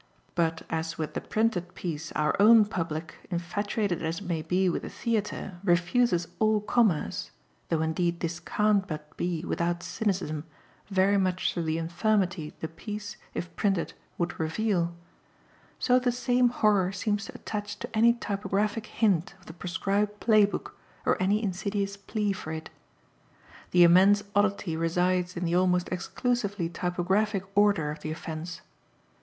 But as with the printed piece our own public, infatuated as it may be with the theatre, refuses all commerce though indeed this can't but be, without cynicism, very much through the infirmity the piece, IF printed, would reveal so the same horror seems to attach to any typographic hint of the proscribed playbook or any insidious plea for it. The immense oddity resides in the almost exclusively typographic order of the offence.